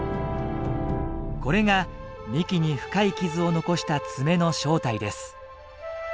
これが幹に深い傷を残した爪の正体です。